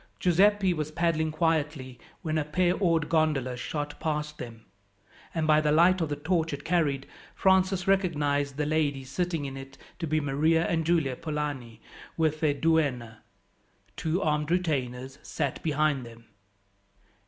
Giuseppi was paddling quietly, when a pair oared gondola shot past them, and by the light of the torch it carried, Francis recognized the ladies sitting in it to be Maria and Giulia Polani with their duenna; two armed retainers sat behind them.